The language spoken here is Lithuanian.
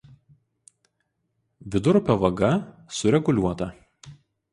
Vidurupio vaga sureguliuota.